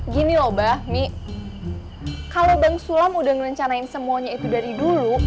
gini loh bah mi kalau bang sulam udah ngerencanain semuanya itu dari dulu